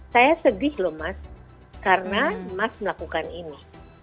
saya sedih karena anda melakukan ini